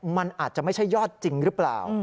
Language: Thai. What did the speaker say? มันอาจจะไม่ใช่ยอดจริงหรือเปล่า